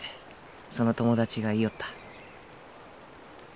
その友達が言いよった